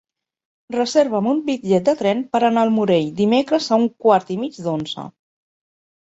Reserva'm un bitllet de tren per anar al Morell dimecres a un quart i mig d'onze.